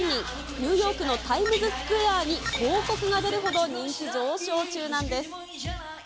ニューヨークのタイムズスクエアに広告が出るほど人気上昇中なんです。